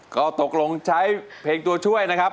ก็ตกลงใช้เพลงตัวช่วยนะครับ